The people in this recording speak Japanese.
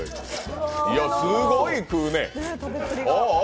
すごい食うね。